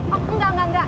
oh enggak enggak enggak